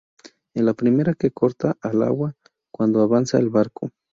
Es la primera que corta el agua cuando avanza el barco.